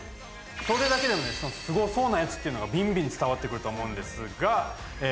それだけでもねそのスゴそうなヤツっていうのがびんびん伝わってくると思うんですがええ